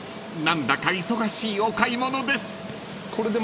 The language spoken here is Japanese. ［何だか忙しいお買い物です］